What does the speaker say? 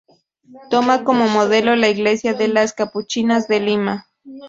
Toma como modelo la iglesia de las Capuchinas de Lima.